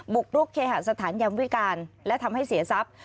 กรุกเคหาสถานยามวิการและทำให้เสียทรัพย์